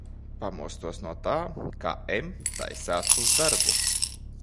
Pamostos no tā, ka M taisās uz darbu.